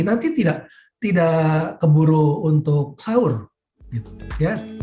nanti tidak keburu untuk sahur gitu ya